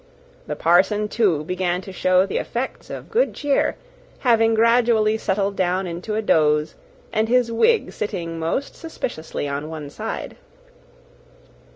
The parson, too, began to show the effects of good cheer, having gradually settled down into a doze, and his wig sitting most suspiciously on one side.